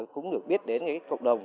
cũng được biết đến cái cộng đồng